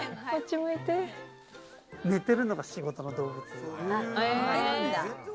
寝てるのが仕事の動物です。